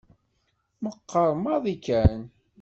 Meqqer maḍi kan.